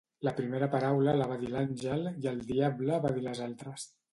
La primera paraula la va dir l'àngel, i el diable va dir les altres.